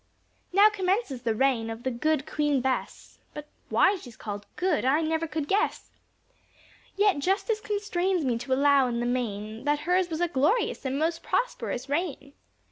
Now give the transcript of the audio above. Now commences the reign of the "Good Queen Bess," But why she's called good I never could guess: Yet justice constrains me to allow in the main, That her's was a glorious and most prosperous reign.